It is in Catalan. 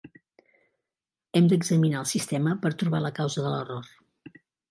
Hem d'examinar el sistema per trobar la causa de l'error.